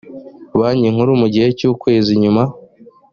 banki nkuru mu gihe cy ukwezi nyuma